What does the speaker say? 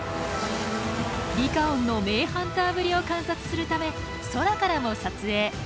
リカオンの名ハンターぶりを観察するため空からも撮影。